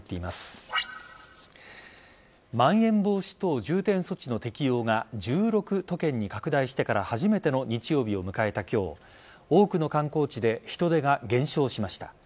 まん延防止等重点措置の適用が１６都県に拡大してから初めての日曜日を迎えた今日多くの観光地で人出が減少しました。